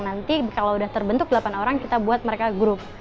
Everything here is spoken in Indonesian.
nanti kalau sudah terbentuk delapan orang kita buat mereka group